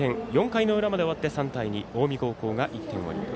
４回の裏まで終わって３対２で、近江高校が１点リード。